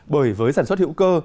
bởi với sản xuất hữu cơ